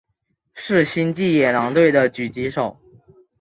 是星际野狼队的狙击手。